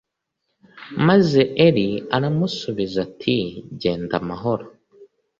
maze eli aramusubiza ati genda amahoro .